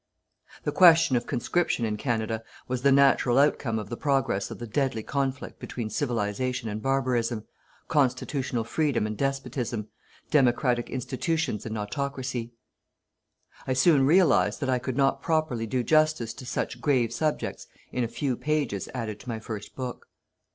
The question of conscription in Canada was the natural outcome of the progress of the deadly conflict between Civilization and barbarism, constitutional Freedom and despotism, democratic institutions and autocracy. I soon realized that I could not properly do justice to such grave subjects in a few pages added to my first book.